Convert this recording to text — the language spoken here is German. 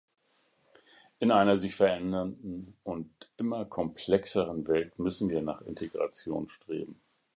In einer sich verändernden und immer komplexeren Welt müssen wir nach Integration streben.